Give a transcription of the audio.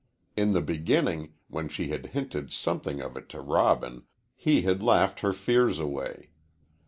In the beginning, when she had hinted something of it to Robin, he had laughed her fears away.